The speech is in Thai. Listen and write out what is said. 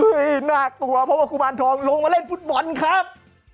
น่ากลัวเพราะว่ากุมารทองลงมาเล่นฟุตบอลครับ